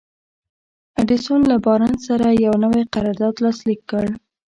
ايډېسن له بارنس سره يو نوی قرارداد لاسليک کړ.